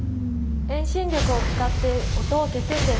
遠心力を使って音を消すんです。